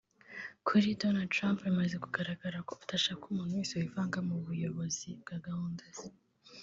Kuri Donald Trump bimaze kugaragara ko adashaka umuntu wese wivanga mubuyobozi bwa gahunda ze